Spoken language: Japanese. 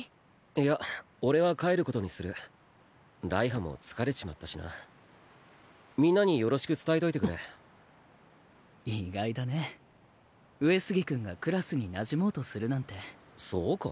いや俺は帰ることにするらいはも疲れちまったしなみんなによろしく伝えといてくれ意外だね上杉君がクラスになじもうとするなんてそうか？